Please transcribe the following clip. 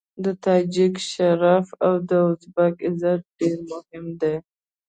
د تاجک شرف او د ازبک عزت ډېر مهم دی.